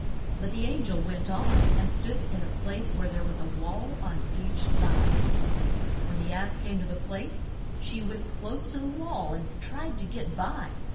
But the an gel went on and stood in a place where there was a wall on each side. When the ass came to the place she went close to the wall and tried to get by.